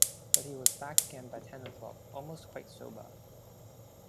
But he was back again by ten o’clock, almost quite sober.